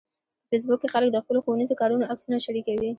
په فېسبوک کې خلک د خپلو ښوونیزو کارونو عکسونه شریکوي